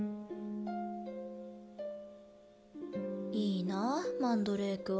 いいなぁマンドレークは。